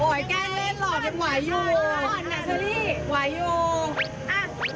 โอ้ยแกเล่นหลอกอย่างหวายโหย